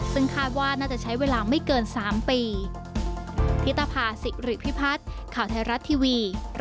ซึ่งคาดว่าน่าจะใช้เวลาไม่เกิน๓ปี